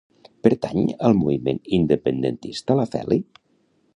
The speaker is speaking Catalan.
Pertany al moviment independentista la Feli?